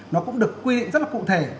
nó cũng được quy định rất là cụ thể